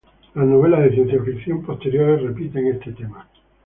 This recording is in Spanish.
Las novelas de ciencia ficción posteriores repiten este tema.